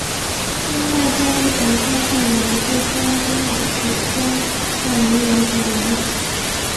另外在一盘添上牛至香精的水中摆上银元和莲子。